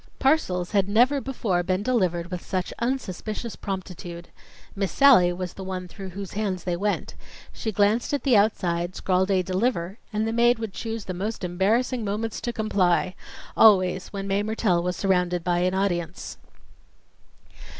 Parcels had never before been delivered with such unsuspicious promptitude. Miss Sallie was the one through whose hands they went. She glanced at the outside, scrawled a "deliver," and the maid would choose the most embarrassing moments to comply always when Mae Mertelle was surrounded by an audience.